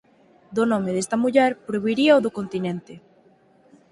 Do nome desta muller proviría o do continente.